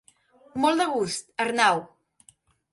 Molt de gust, Arnau.